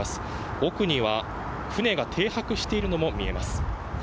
奥には船が停泊しているのも見えます。